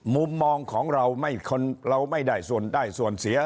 มุมมองของเราไม่ได้ส่วนเสีย